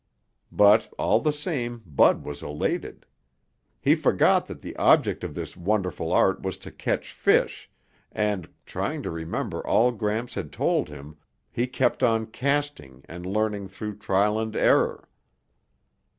But all the same Bud was elated. He forgot that the object of this wonderful art was to catch fish and, trying to remember all Gramps had told him, he kept on casting and learning through trial and error.